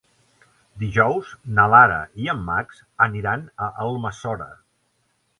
Dijous na Lara i en Max aniran a Almassora.